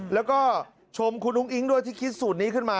แล้วก็ชมคุณอุ้งอิ๊งด้วยที่คิดสูตรนี้ขึ้นมา